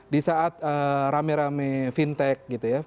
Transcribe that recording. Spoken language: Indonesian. di saat rame rame fintech gitu ya